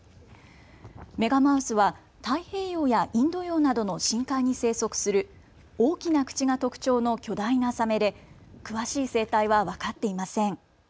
メガマウスは太平洋やインド洋などの深海に生息する大きな口が特徴の巨大なサメで詳しい生態は分かっていません。